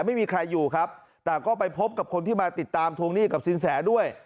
ไม่มีใครอยู่ครับแต่ก็ไปพบกับคนที่มาติดตามทวงหนี้กับสินแสด้วย